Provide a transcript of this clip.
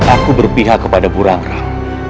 aku berpihak kepada burang rang